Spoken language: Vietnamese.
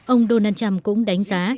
ông donald trump cũng đánh giá